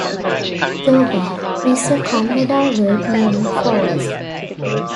"Joga" is a Kannada word meaning falls.